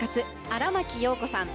荒牧陽子さん